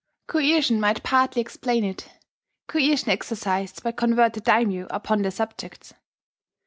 Coercion might partly explain it, coercion exercised by converted daimyo upon their subjects.